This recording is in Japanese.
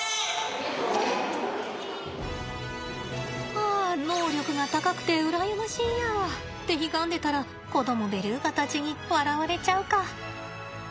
ああ能力が高くて羨ましいや。ってひがんでたら子どもベルーガたちに笑われちゃうか。